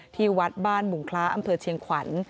ที่วัดบ้านบุงคล้าอำเภอเชียงขวัญ